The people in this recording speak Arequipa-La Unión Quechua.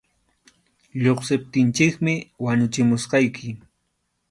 Lluqsiptinchikmi wañuchimusqayki.